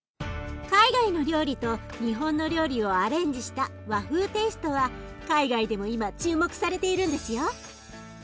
海外の料理と日本の料理をアレンジした和風テイストは海外でも今注目されているんですよ。